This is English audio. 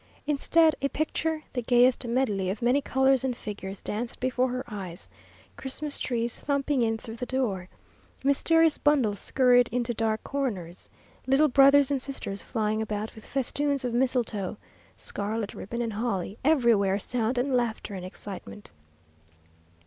Instead, a picture, the gayest medley of many colours and figures, danced before her eyes: Christmas trees thumping in through the door, mysterious bundles scurried into dark corners, little brothers and sisters flying about with festoons of mistletoe, scarlet ribbon and holly, everywhere sound and laughter and excitement.